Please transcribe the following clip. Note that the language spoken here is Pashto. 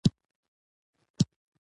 ښایست د ځوانۍ هیلې ده